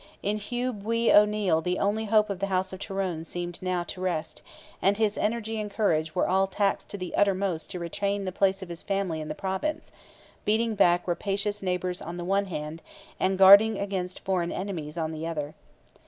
In Hugh Bwee O'Neil the only hope of the house of Tyrone seemed now to rest; and his energy and courage were all taxed to the uttermost to retain the place of his family in the Province, beating back rapacious neighbours on the one hand, and guarding against foreign enemies on the other.